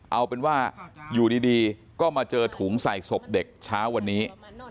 เอาเป็นว่าอยู่ดีก็มาเจอถุงใส่ศพเด็กเช้าวันนี้